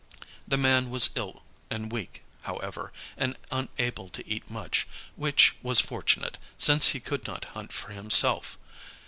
The man was ill and weak, however, and unable to eat much, which was fortunate, since he could not hunt for himself.